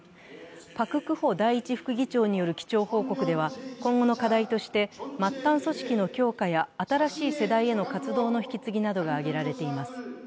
パク・クホ第一副議長による基調報告では、今後の課題として、末端組織の強化や新しい世代への活動の引き継ぎなどが挙げられています。